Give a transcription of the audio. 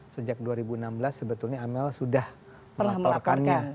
sejak dua ribu enam belas sebetulnya amel sudah melaporkannya